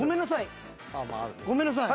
ごめんなさい。